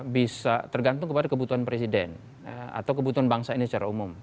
bisa tergantung kepada kebutuhan presiden atau kebutuhan bangsa ini secara umum